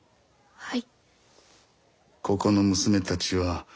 ・はい。